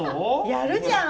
やるじゃん。